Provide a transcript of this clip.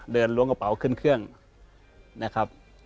ล้วงกระเป๋าขึ้นเครื่องนะครับ